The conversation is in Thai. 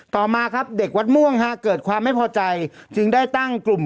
ต่อมาครับเด็กวัดม่วงฮะเกิดความไม่พอใจจึงได้ตั้งกลุ่ม